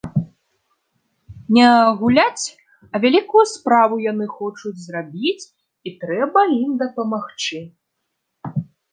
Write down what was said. Не гуляць, а вялікую справу яны хочуць зрабіць, і трэба ім дапамагчы.